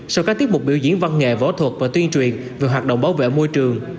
sau các tiết mục biểu diễn văn nghệ võ thuật và tuyên truyền về hoạt động bảo vệ môi trường